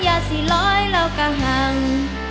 อย่าสิร้อยแล้วกระหัง